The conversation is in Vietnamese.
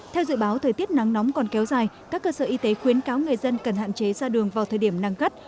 theo dự báo thời tiết nắng nóng còn kéo dài các cơ sở y tế khuyến cáo người dân cần hạn chế ra đường vào thời điểm năng gắt